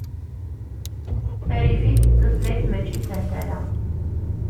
Tarifit d tutlayt mačči d tantala.